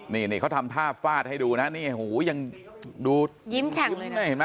นี่เขาทำท่าฟาดให้ดูนะโหยังดูยิ้มแช่งเลยนะ